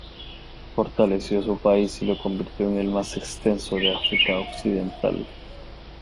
Fortaleció su país y lo convirtió en el más extenso de África Occidental.